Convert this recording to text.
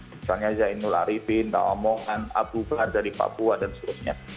misalnya zainul arifin pak omongan abu bakar dari papua dan seterusnya